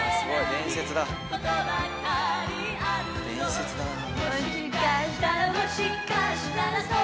伝説だなぁ。